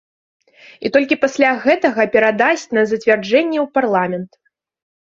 І толькі пасля гэтага перадасць на зацвярджэнне ў парламент.